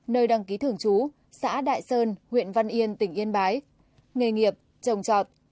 nơi đăng ký thường trú xã đại sơn huyện văn yên tỉnh yên bái nghề nghiệp trồng trọt